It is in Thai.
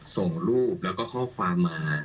ส่งรูปแล้วก็คอมฟาร์มมา